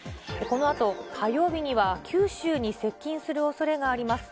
このあと、火曜日には九州に接近するおそれがあります。